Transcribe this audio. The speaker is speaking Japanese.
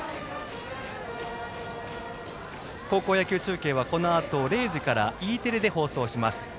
高校野球中継はこのあと０時からＥテレで放送します。